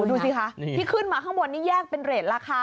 ดูสิคะที่ขึ้นมาข้างบนนี้แยกเป็นเรทราคา